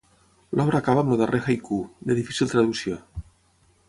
L'obra acaba amb el darrer haiku, de difícil traducció.